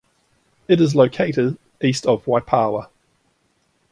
It is located east of Waipawa.